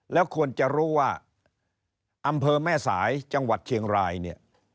แล้วควรจะรู้ว่าอำเภอแม่สายจังหวัดเชียงรายเนี่ย